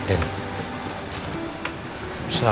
jadi kenapa andin kenapa kesini